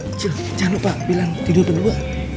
eh cil jangan lupa bilang tidur dulu